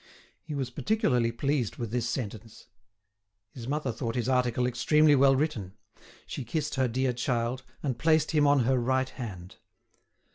He was particularly pleased with this sentence. His mother thought his article extremely well written. She kissed her dear child, and placed him on her right hand.